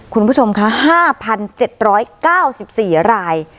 คุณผู้ชมคะ๕๗๙๔ราย